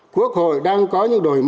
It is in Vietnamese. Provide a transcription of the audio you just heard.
quốc hội đang có những đổi lệnh